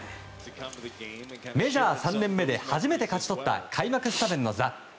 メジャー３年目で初めて勝ちとった開幕スタメンの座。